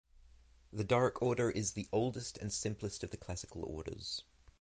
The Doric order is the oldest and simplest of the classical orders.